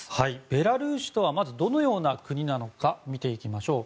ベラルーシとはまずどのような国なのか見ていきましょう。